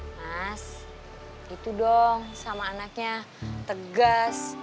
mas itu dong sama anaknya tegas